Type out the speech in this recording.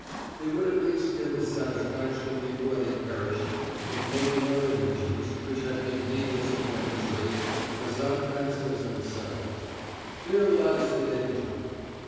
They would at least get the satisfaction before they perished of making other nations, which had been heedless of their misery, as outcast as themselves. There lies the danger.